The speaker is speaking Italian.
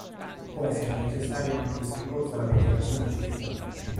Può essere necessario anche il ricorso alla ventilazione artificiale.